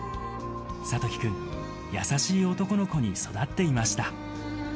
諭樹君、優しい男の子に育っていました。